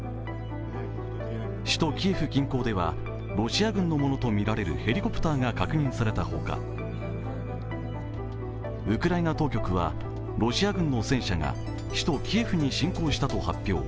首都キエフ近郊ではロシア軍のものとみられるヘリコプターが確認されたほかウクライナ当局はロシア軍の戦車が首都キエフに侵攻したと発表。